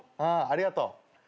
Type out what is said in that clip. ありがとう。